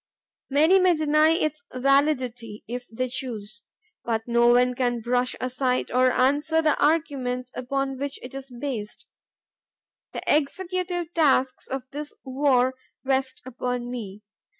Many may deny its validity, if they choose, but no one can brush aside or answer the arguments upon which it is based. The executive tasks of this war rest upon me.